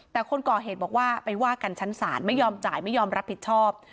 แต่คนก่อเหตุบอกว่าไปว่ากันชั้นศาลไม่ยอมจ่ายไม่ยอมรับผิดชอบ